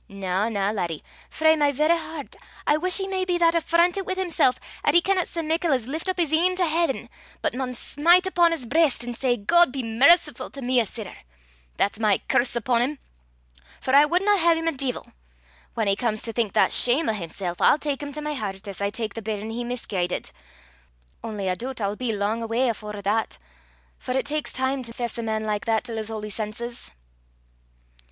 Na, na, laddie! frae my verra hert, I wuss he may be that affrontit wi' himsel' 'at he canna sae muckle as lift up 's een to haiven, but maun smite upo' 's breist an' say, 'God be mercifu' to me, a sinner!' That's my curse upo' him, for I wadna hae 'im a deevil. Whan he comes to think that shame o' himsel', I'll tak him to my hert, as I tak the bairn he misguidit. Only I doobt I'll be lang awa afore that, for it taks time to fess a man like that till 's holy senses."